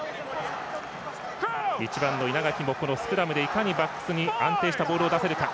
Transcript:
１番の稲垣も、このスクラムでいかにバックスに安定したボールを出せるか。